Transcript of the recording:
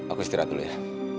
aku istirahat dulu ya